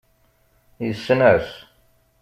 Yessen-as.